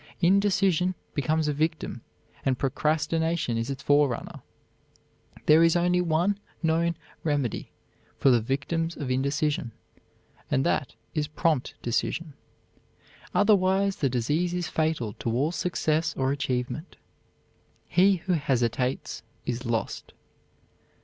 Indecision becomes a disease and procrastination is its forerunner. There is only one known remedy for the victims of indecision, and that is prompt decision. Otherwise the disease is fatal to all success or achievement. He who hesitates is lost.